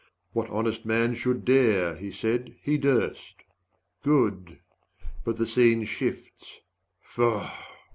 What honest man should dare (he said) he durst. Good but the scene shifts faugh!